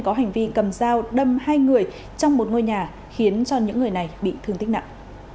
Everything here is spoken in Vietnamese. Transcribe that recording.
có hành vi cầm dao đâm hai người trong một ngôi nhà khiến cho những người này bị thương tích nặng